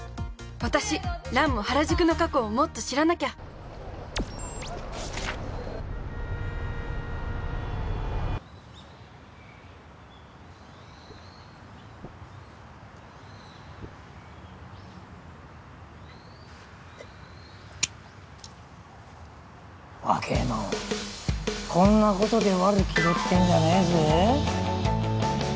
私ランも原宿の過去をもっと知らなきゃわけえのこんなことでワル気取ってんじゃねえぜ。